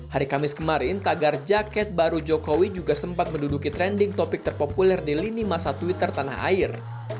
hari kamis kemarin tagar jaket baru jokowi juga sempat menduduki trending topik terpopuler di lini masa twitter tanah air